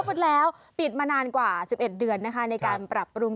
หมดแล้วปิดมานานกว่า๑๑เดือนนะคะในการปรับปรุง